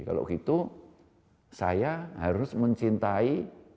kalau gitu saya harus mencintai